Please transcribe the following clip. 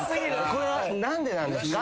「これは何でなんですか？」